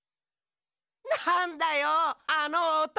なんだよあのおと！